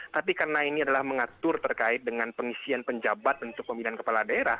tapi karena ini adalah mengatur terkait dengan pengisian penjabat untuk pemilihan kepala daerah